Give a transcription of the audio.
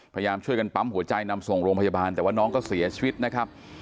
พยายามช่วยกันปั๊มหัวใจนำส่งโรงพยาบาลแต่ว่าน้องก็เสียชีวิตนะครับ